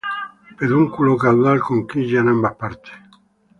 Pedúnculo caudal con quilla en ambas partes.